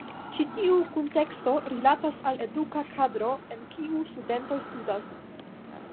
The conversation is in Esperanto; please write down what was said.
Ĉi tiu kunteksto rilatas al eduka kadro en kiu studentoj studas.